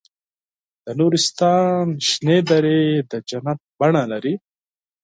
د نورستان شنې درې د جنت بڼه لري.